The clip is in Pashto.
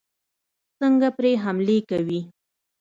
څنګه پرې حملې کوي.